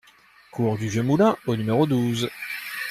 Cours du Vieux Moulin au numéro douze